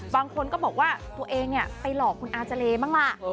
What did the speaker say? บางคนก็บอกว่าตัวเองไปหลอกคุณอาเจรบ้างล่ะ